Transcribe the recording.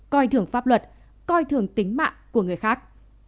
coi thưởng pháp luật coi thường tính mạng của người khác